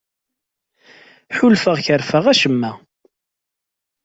Ḥulfaɣ kerfeɣ acemma.